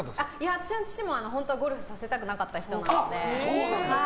私の父も本当はゴルフさせたくなかった人なので。